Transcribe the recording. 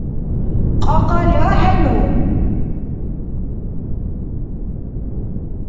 Кьакьали ахӀену?